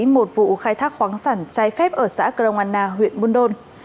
một vụ khai thác khoáng sản chai phép ở xã crona huyện buôn đôn